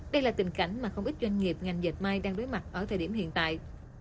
đây là tình cảnh mà không ít doanh nghiệp ngành dệt may đang đối mặt ở thời điểm hiện tại